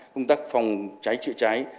công tác phòng cháy trị cháy